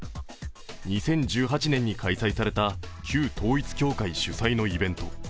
２０１８年に開催された旧統一教会主催のイベント。